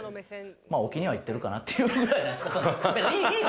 置きにはいってるかなっていうぐらいじゃないですか。